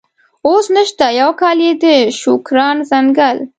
اوس نشته، یو کال یې د شوکران ځنګل.